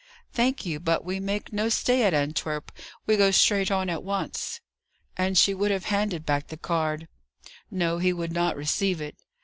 "Thank you, but we make no stay at Antwerp; we go straight on at once." And she would have handed back the card. No, he would not receive it.